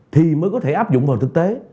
thì mới có thể áp dụng vào thực tế